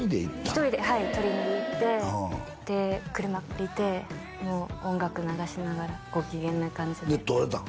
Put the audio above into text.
１人ではい取りに行ってで車借りてもう音楽流しながらご機嫌な感じでで取れたん？